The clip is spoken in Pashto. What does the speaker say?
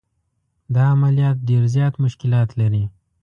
دا عملیات ډېر زیات مشکلات لري.